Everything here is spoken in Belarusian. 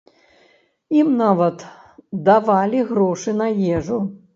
Ім нават давалі грошы на ежу.